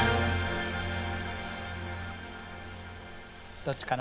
どっちかな。